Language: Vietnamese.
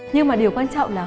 nhưng mà điều quan trọng là